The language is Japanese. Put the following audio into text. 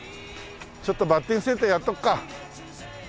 ちょっとバッティングセンターやっとくか。